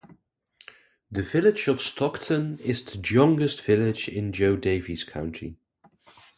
The village of Stockton is the youngest village in Jo Daviess County.